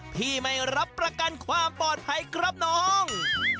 พี่ไม่รับประกันความปลอดภัยครับน้อง